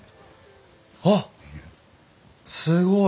あっすごい。